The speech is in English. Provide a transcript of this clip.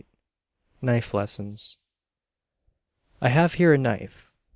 "_ KNIFE LESSONS I have here a knife.